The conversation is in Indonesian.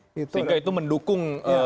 sehingga itu mendukung